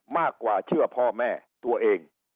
มากกว่าเชื่อพ่อแม่ตัวเอง